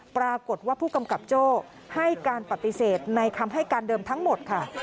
ปรากฏว่าผู้กำกับโจ้ให้การปฏิเสธในคำให้การเดิมทั้งหมดค่ะ